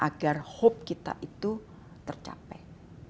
agar harapan kita bisa tercapai